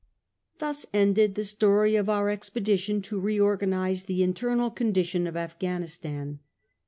Thus ended the story of our expedition to reorganise the internal condition of Afghanistan.